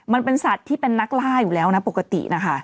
มันเป็นสัตว์ที่เป็นนักล่าอยู่แล้วนะปกตินะคะ